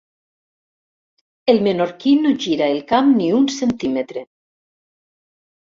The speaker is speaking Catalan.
El menorquí no gira el cap ni un centímetre.